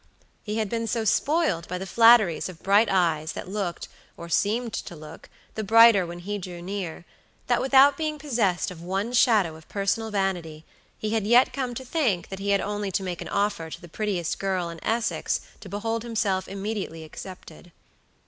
he had been so spoiled by the flatteries of bright eyes that looked, or seemed to look, the brighter when he drew near, that without being possessed of one shadow of personal vanity, he had yet come to think that he had only to make an offer to the prettiest girl in Essex to behold himself immediately accepted.